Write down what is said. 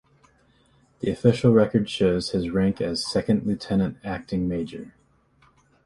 The official record shows his rank as second lieutenant acting Major.